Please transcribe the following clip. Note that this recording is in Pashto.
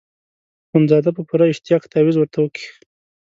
اخندزاده په پوره اشتیاق تاویز ورته وکیښ.